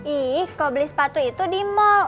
ih kok beli sepatu itu di mall